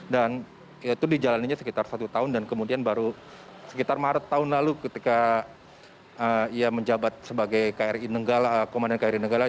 itu dijalaninnya sekitar satu tahun dan kemudian baru sekitar maret tahun lalu ketika ia menjabat sebagai kri nenggala komandan kri nenggala